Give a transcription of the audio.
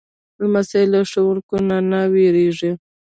لمسی له ښوونکو نه نه وېرېږي.